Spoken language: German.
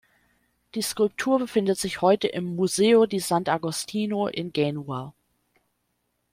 Die Skulptur befindet sich heute im "Museo di Sant’Agostino" in Genua.